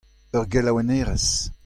Ur gelaouennerez.